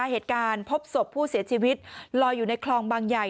เหตุการณ์พบศพผู้เสียชีวิตลอยอยู่ในคลองบางใหญ่